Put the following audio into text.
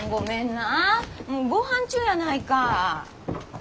もうごはん中やないか。